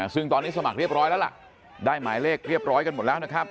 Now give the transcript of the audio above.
ซึ่งตอนนี้สมัครเรียบร้อยแล้วล่ะได้หมายเลขเรียบร้อยกันหมดแล้วนะครับ